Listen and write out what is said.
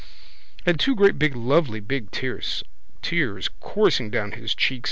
And two great big lovely big tears coursing down his cheeks.